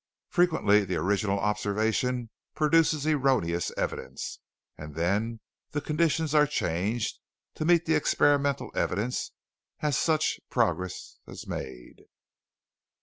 Frequently the original observation produces erroneous evidence, and then the conditions are changed to meet the experimental evidence as such progress is made.